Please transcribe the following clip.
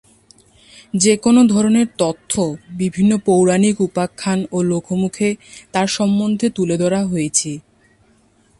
যে-কোন ধরনের তথ্য বিভিন্ন পৌরাণিক উপাখ্যান ও লোকমুখে তার সম্বন্ধে তুলে ধরা হয়েছে।